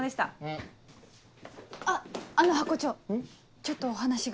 ちょっとお話が。